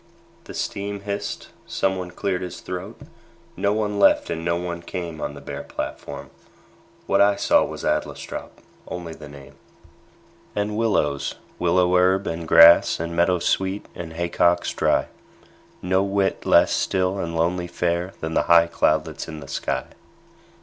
The steam hissed. Someone cleared his throat. No one left and no one came On the bare platform. What I saw Was Adlestrop only the name And willows, willow herb, and grass, And meadowsweet, and haycocks dry; No whit less still and lonely fair Than the high cloudlets in the sky.